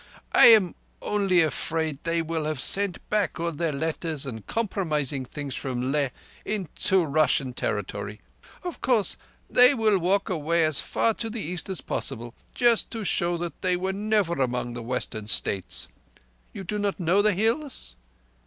I am onlee afraid they will have sent back all their letters and compromising things from Leh into Russian territoree. Of course they will walk away as far to the East as possible—just to show that they were never among the Western States. You do not know the Hills?"